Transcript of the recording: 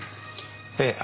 ええ。